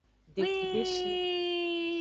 Deku deshi.